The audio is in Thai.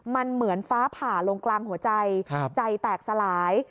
มันเหมือนฟ้าผ่าลงกลางหัวใจใจแตกสลาย